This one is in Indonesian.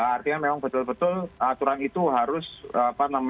artinya memang betul betul aturan itu harus tetap